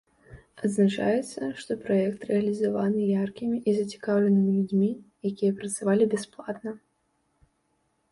Адзначаецца, што праект рэалізаваны яркімі і зацікаўленымі людзьмі, якія працавалі бясплатна.